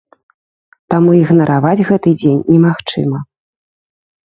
Таму ігнараваць гэты дзень немагчыма.